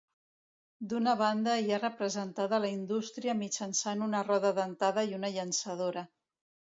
D'una banda hi ha representada la indústria mitjançant una roda dentada i una llançadora.